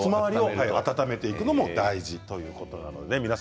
温めておくのが大事ということです。